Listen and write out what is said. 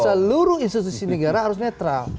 seluruh institusi negara harus netral